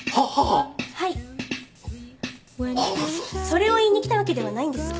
それを言いに来たわけではないんです。